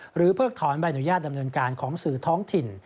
เพิกถอนใบอนุญาตดำเนินการของสื่อท้องถิ่น